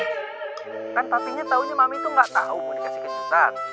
kan papinya taunya mami tuh gak tahu bu dikasih keceplosan